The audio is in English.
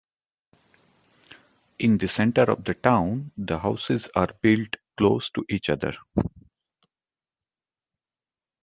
In the centre of the town the houses are built close to each other.